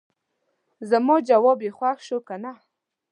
زما جواب یې خوښ شو کنه.